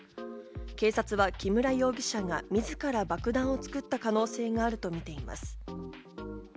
警察は木村容疑者が自ら爆弾を作った可能性があるとみています。